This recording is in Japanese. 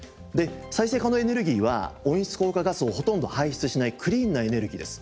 再生可能エネルギーは温室効果ガスをほとんど排出しないクリーンなエネルギーです。